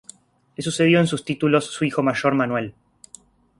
Le sucedió en sus títulos su hijo mayor Manuel.